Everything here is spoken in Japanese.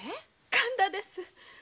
神田です。